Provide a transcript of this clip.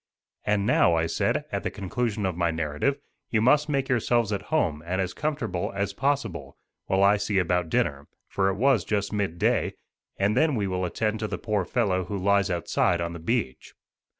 "And now," I said at the conclusion of my narrative, "you must make yourselves at home and as comfortable as possible, while I see about dinner" for it was just mid day "and then we will attend to the poor fellow who lies outside on the beach."